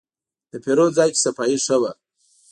د پیرود ځای کې صفایي ښه وه.